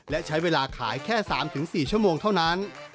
และใช้เวลาขายแค่๓๔ชั่วโมงเท่านั้น